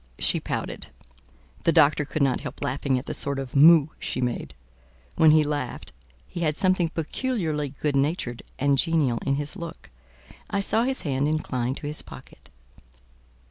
She pouted. The doctor could not help laughing at the sort of "moue" she made: when he laughed, he had something peculiarly good natured and genial in his look. I saw his hand incline to his pocket.